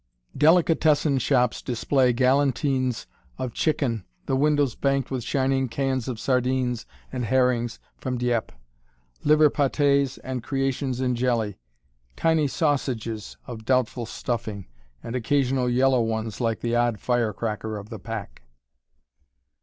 [Illustration: (overloaded cart of baskets)] Delicatessen shops display galantines of chicken, the windows banked with shining cans of sardines and herrings from Dieppe; liver patés and creations in jelly; tiny sausages of doubtful stuffing, and occasional yellow ones like the odd fire cracker of the pack.